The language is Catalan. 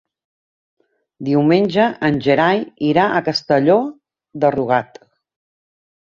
Diumenge en Gerai irà a Castelló de Rugat.